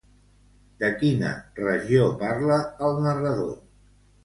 De quina regió parla el narrador?